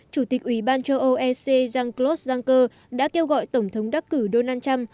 chủ tịch ủy ban châu âu ec jean claude juncker đã kêu gọi tổng thống đắc cử donald trump